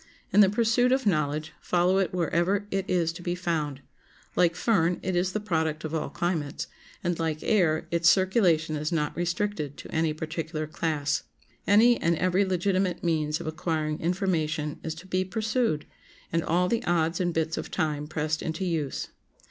In the pursuit of knowledge follow it wherever it is to be found; like fern, it is the product of all climates, and, like air, its circulation is not restricted to any particular class. Any and every legitimate means of acquiring information is to be pursued, and all the odds and bits of time pressed into use.